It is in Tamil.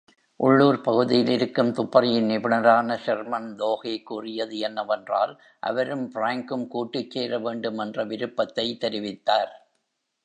உள்ளூர் பகுதியிலிருக்கும் துப்பறியும் நிபுணரான ஷெர்மன் தோஹே கூறியது என்னவென்றால் அவரும் பிராங்க்கும் கூட்டுச்சேரவேண்டும் என்ற விருப்பத்தை தெரிவித்தார்.